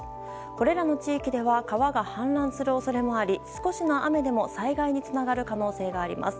これらの地域では川が氾濫する恐れもあり少しの雨でも災害につながる可能性があります。